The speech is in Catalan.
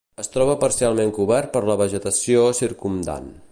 Es troba parcialment cobert per la vegetació circumdant.